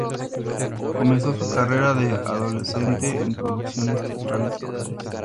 Comenzó su carrera de adolescente en producciones teatrales locales.